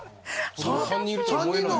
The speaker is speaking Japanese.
３人いると思えない。